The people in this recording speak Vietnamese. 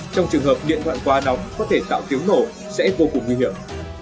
trong trường hợp điện thoại quá nóng có thể tạo tiếng nổ sẽ vô cùng nguy hiểm